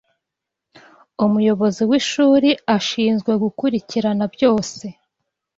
umuyobozi w'ishuri ashinzwe gukurikirana byose